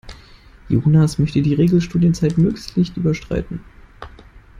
Jonas möchte die Regelstudienzeit möglichst nicht überschreiten.